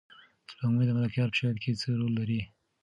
سپوږمۍ د ملکیار په شعر کې څه رول لري؟